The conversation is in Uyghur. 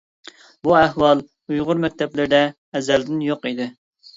بۇ ئەھۋال ئۇيغۇر مەكتەپلىرىدە ئەزەلدىن يوق ئىدى.